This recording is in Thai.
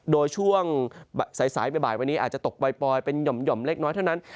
โดยช่วงบ่ายวันนี้อาจจะตกปล่อยเป็นหย่อมเล็กน้อยเท่านั้น